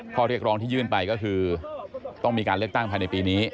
ข้อเรียกร้องที่ยื่นไปก็คือต้องมีการเลือกตั้งภายในปีนี้